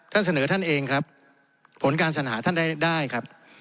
ท่านเสนอท่านเองครับผลการสัญหาท่านได้ครับ